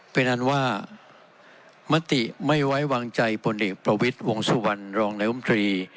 เพราะฉะนั้นว่ามติไม่ไว้วางใจบริเวณประวิทย์วงสุวรรณรองนายอมทรีย์